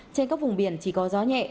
trên các vùng biển chỉ có gió nhẹ